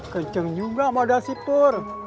kenceng juga sama dasi pur